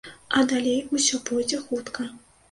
А далей усё пойдзе хутка.